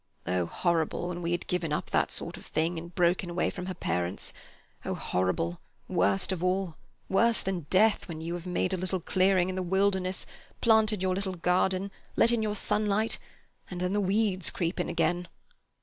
"Oh, horrible, when we had given up that sort of thing and broken away from her parents. Oh, horrible—worst of all—worse than death, when you have made a little clearing in the wilderness, planted your little garden, let in your sunlight, and then the weeds creep in again!